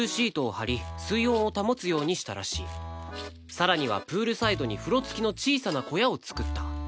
さらにはプールサイドに風呂付きの小さな小屋を作った